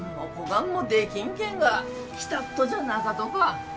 がんもできんけんが来たっとじゃなかとか？